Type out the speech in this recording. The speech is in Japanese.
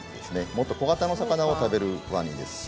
もっと小型の魚を食べるワニですし。